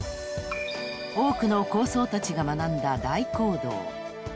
［多くの高僧たちが学んだ大講堂］